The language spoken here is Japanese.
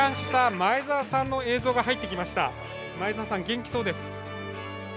前澤さん、元気そうです。